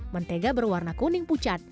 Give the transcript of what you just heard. mentega berwarna kuning pucat